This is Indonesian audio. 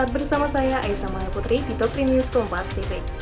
bersama saya aisah maha putri di top tiga news kompastv